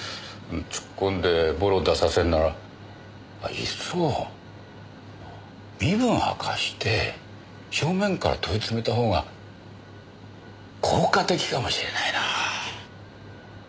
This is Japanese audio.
突っ込んでボロを出させるならいっそ身分を明かして正面から問い詰めた方が効果的かもしれないな。